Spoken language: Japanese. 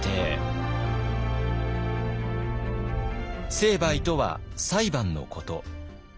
「成敗」とは「裁判」のこと。